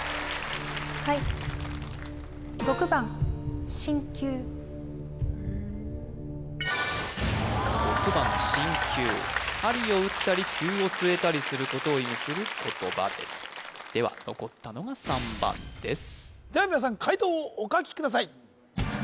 はい６番しんきゅう針を打ったり灸をすえたりすることを意味する言葉ですでは残ったのが３番ですでは皆さん解答をお書きください